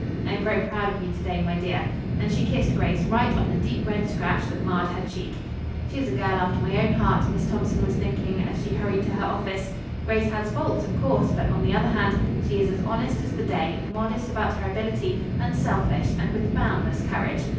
I am very proud of you to day, my dear," and she kissed Grace right on the deep, red scratch that marred her cheek. "She is a girl after my own heart," Miss Thompson was thinking, as she hurried to her office. "Grace has faults, of course, but on the other hand, she is as honest as the day, modest about her ability, unselfish and with boundless courage.